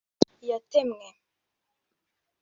iyatemwe